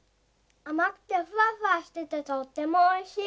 あまくてフワフワしててとってもおいしい。